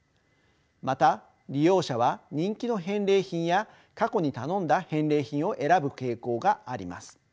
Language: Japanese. また利用者は人気の返礼品や過去に頼んだ返礼品を選ぶ傾向があります。